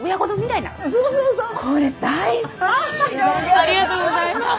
ありがとうございます。